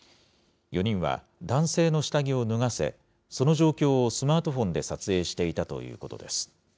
４人は、男性の下着を脱がせ、その状況をスマートフォンで撮影していたということです。